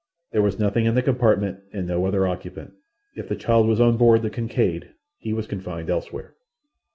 There was nothing in the compartment, and no other occupant. If the child was on board the Kincaid he was confined elsewhere.